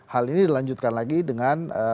hal ini dilanjutkan lagi dengan